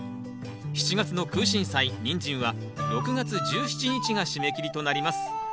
７月の「クウシンサイ」「ニンジン」は６月１７日が締め切りとなります。